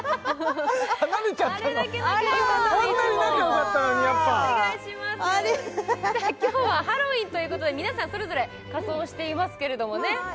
離れちゃったのあんなに仲よかったのにやっぱ今日はハロウィーンということで皆さんそれぞれ仮装していますけれどもね